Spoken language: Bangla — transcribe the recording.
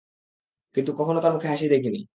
কিন্তু কখনো তার মুখে হাসি দেখিনি।